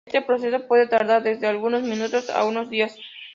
Este proceso puede tardar desde algunos minutos a unos días.